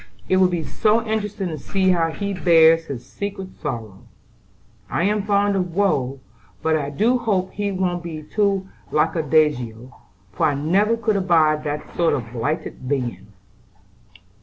"It will be so interesting to see how he bears his secret sorrow. I am fond of woe; but I do hope he won't be too lackadaisical, for I never could abide that sort of blighted being."